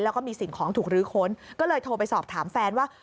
แล้วก็มีสิ่งของถูกลื้อค้นก็เลยโทรไปสอบถามแฟนว่า